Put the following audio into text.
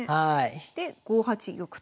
で５八玉と。